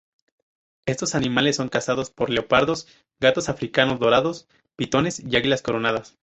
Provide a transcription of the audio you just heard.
Estos animales son cazados por leopardos, gatos africanos dorados, pitones y águilas coronadas.